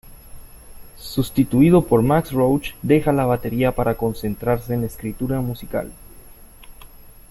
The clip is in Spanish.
Sustituido por Max Roach, deja la batería para concentrarse en la escritura musical.